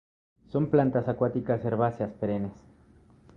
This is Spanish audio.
Son plantas acuáticas herbáceas perennes.